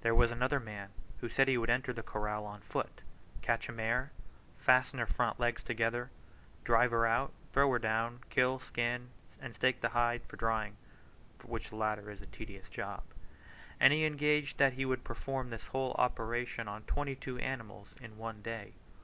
There was another man who said he would enter the corral on foot, catch a mare, fasten her front legs together, drive her out, throw her down, kill, skin, and stake the hide for drying (which latter is a tedious job); and he engaged that he would perform this whole operation on twenty two animals in one day.